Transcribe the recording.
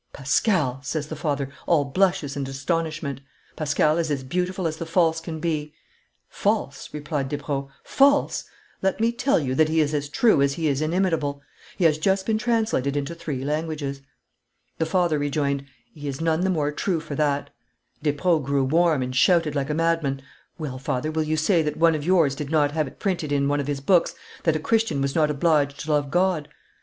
'Pascal,' says the father, all blushes and astonishment; 'Pascal is as beautiful as the false can be.' 'False,' replied Despreaux: 'false! Let me tell you that he is as true as he is inimitable; he has just been translated into three languages.' The father rejoined, 'He is none the more true for that.' Despreaux grew warm, and shouted like a madman: 'Well, father, will you say that one of yours did not have it printed in one of his books that a Christian was not obliged to love God?